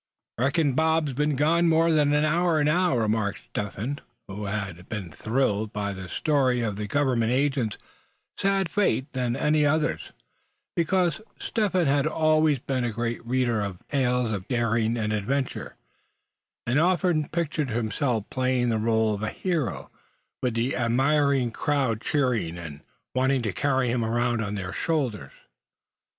"Reckon Bob's been gone more'n an hour now," remarked Step Hen, who had been more thrilled by the story of the Government agent's sad fate than any of the others; because Step Hen had always been a great reader of tales of daring and adventure, and often pictured himself playing the rôle of a hero, with the admiring crowd cheering him to the echo, and wanting to carry him around on their shoulders.